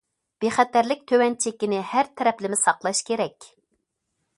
بىخەتەرلىك تۆۋەن چېكىنى ھەر تەرەپلىمە ساقلاش كېرەك.